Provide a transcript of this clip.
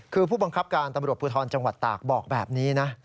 คือผู้บังคับการตำรวจภูทรจังหวัดตากบอกแบบนี้นะ